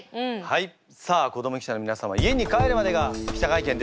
さあ子ども記者の皆様家に帰るまでが記者会見です。